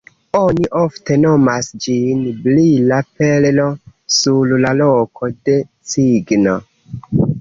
Oni ofte nomas ĝin “brila perlo sur la kolo de cigno”.